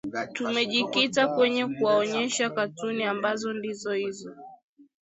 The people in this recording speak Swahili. tumejikita kwenye kuwaonyesha katuni ambazo ndizo hizo